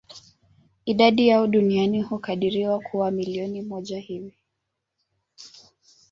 Idadi yao duniani hukadiriwa kuwa milioni mia moja hivi.